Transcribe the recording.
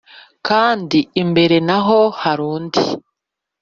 kandi imbere naho harundi